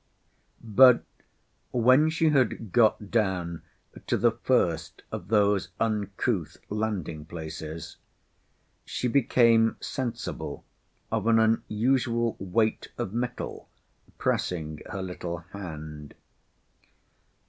But when she had got down to the first of those uncouth landing places, she became sensible of an unusual weight of metal pressing her little hand.